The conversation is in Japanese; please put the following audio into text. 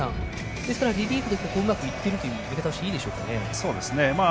ですから、リリーフでうまくいっているという見方をしていいでしょうか。